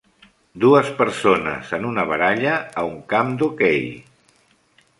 Dues persones en una baralla a un camp d'hoquei.